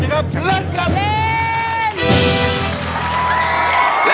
ไม่ต้องเล่น